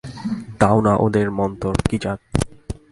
দাও না ওদের মন্তর, কি জাত?